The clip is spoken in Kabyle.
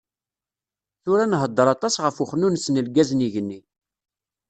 Tura nhedder aṭas ɣef uxnunnes n lgaz n yigenni.